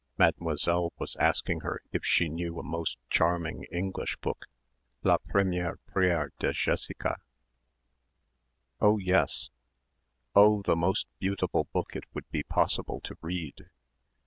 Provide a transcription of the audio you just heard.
Mademoiselle was asking her if she knew a most charming English book ... "La Première Prière de Jessica"? "Oh yes." "Oh, the most beautiful book it would be possible to read."